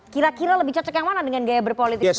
kira kira lebih cocok yang mana dengan gaya berpolitik